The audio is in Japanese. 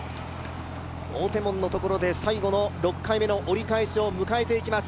大手門のところで最後の６回目の折り返しを迎えていきます。